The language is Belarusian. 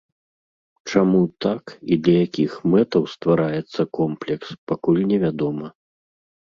Чаму так і для якіх мэтаў ствараецца комплекс, пакуль невядома.